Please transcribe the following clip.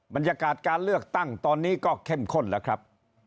บรรยากาศการเลือกตั้งตอนนี้ก็เข้มข้นแล้วครับ